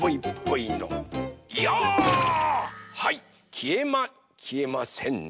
はいきえまきえませんね。